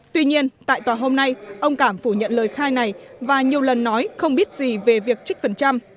tuy nhiên tại tòa hôm nay ông cảm phủ nhận lời khai này và nhiều lần nói không biết gì về việc trích phần trăm